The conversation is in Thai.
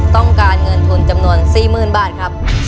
ต้องการเงินทุนจำนวน๔๐๐๐บาทครับ